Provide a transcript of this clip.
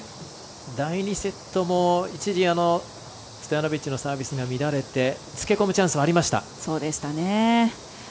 第２セットも一時ストヤノビッチのサービスが乱れて、つけ込むチャンスもありました。